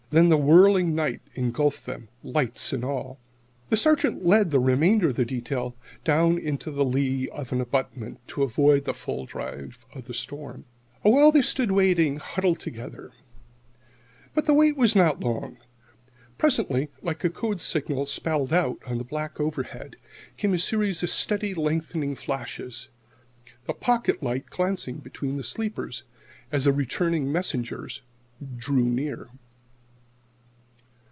Then the whirling night engulfed them, lights and all. The Sergeant led the remainder of the detail down into the lee of an abutment, to avoid the full drive of the storm. Awhile they stood waiting, huddled together. But the wait was not for long. Presently, like a code signal spelled out on the black overhead, came a series of steadily lengthening flashes the pocket light glancing between the sleepers, as the returning messengers drew near.